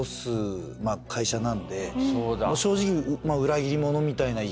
正直。